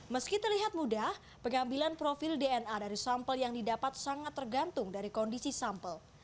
meski terlihat mudah pengambilan profil dna dari sampel yang didapat sangat tergantung dari kondisi sampel